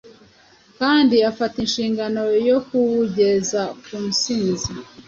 kandi afata inshingano yo kuwugeza ku nsinzi.